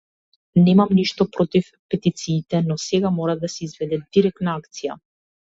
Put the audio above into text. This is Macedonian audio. Немам ништо против петициите, но сега мора да се изведе директна акција.